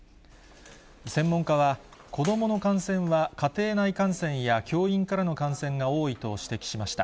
専門家は、子どもの感染は家庭内感染や教員からの感染が多いと指摘しました。